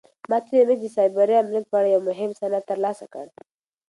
ما تېره میاشت د سایبري امنیت په اړه یو مهم سند ترلاسه کړ.